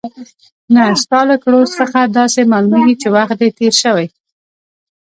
نه، ستا له کړو څخه داسې معلومېږي چې وخت دې تېر شوی.